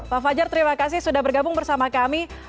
pak fajar terima kasih sudah bergabung bersama kami